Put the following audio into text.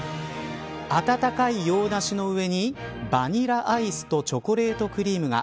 温かい洋ナシの上にバニラアイスとチョコレートクリームが。